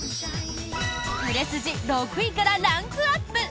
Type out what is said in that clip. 売れ筋６位からランクアップ！